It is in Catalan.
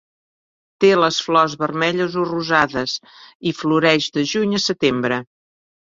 Té les flors vermelles o rosades i floreix de juny a setembre.